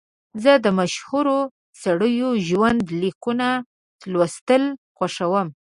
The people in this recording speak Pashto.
زه د مشهورو سړیو ژوند لیکونه لوستل خوښوم.